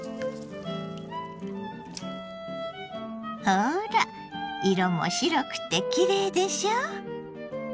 ほら色も白くてきれいでしょ！